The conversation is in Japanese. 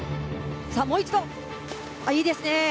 もう一度、いいですね。